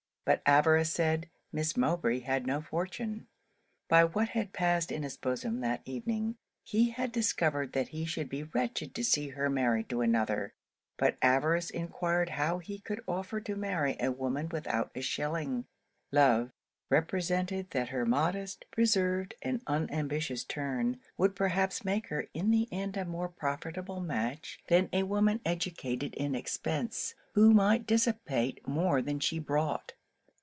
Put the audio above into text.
But avarice said, Miss Mowbray had no fortune. By what had passed in his bosom that evening, he had discovered that he should be wretched to see her married to another. But avarice enquired how he could offer to marry a woman without a shilling? Love, represented that her modest, reserved, and unambitious turn, would perhaps make her, in the end, a more profitable match than a woman educated in expence, who might dissipate more than she brought.